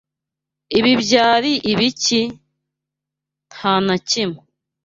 "Ibi byari ibiki?" "Nta na kimwe."